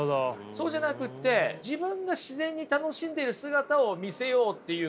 そうじゃなくって自分が自然に楽しんでる姿を見せようっていう初心に返ればね